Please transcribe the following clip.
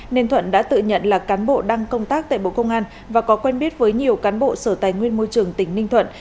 nên thuận đã tự nhận là cán bộ đang công tác tại bộ công an và có quen biết với nhiều cán bộ sở tài nguyên môi trường tỉnh ninh thuận